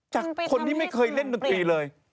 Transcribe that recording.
จากคนที่ไม่เคยเล่นดนตรีเลย